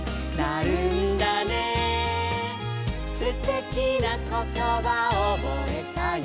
「すてきなことばおぼえたよ」